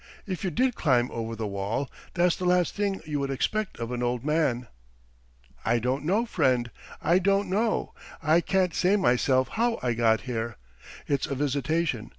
If you did climb over the wall, that's the last thing you would expect of an old man." "I don't know, friend, I don't know. I can't say myself how I got here. It's a visitation.